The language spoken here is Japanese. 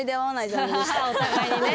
お互いにね。